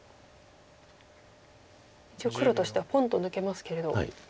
一応黒としてはポンと抜けますけれど。